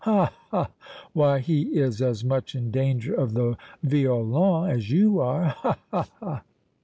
ha! ha! Why he is as much in danger of the violon as you are! ha! ha!"